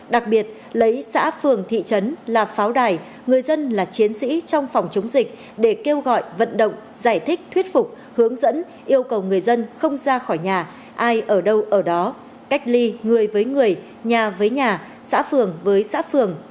đặc biệt lấy xã phường thị trấn là pháo đài người dân là chiến sĩ trong phòng chống dịch để kêu gọi vận động giải thích thuyết phục hướng dẫn yêu cầu người dân không ra khỏi nhà ai ở đâu ở đó cách ly người với người nhà với nhà xã phường với xã phường